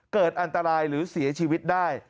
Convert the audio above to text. เกิดอันตรายหรือเสียชีวิตได้